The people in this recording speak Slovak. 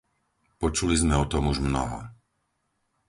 Počuli sme o tom už mnoho.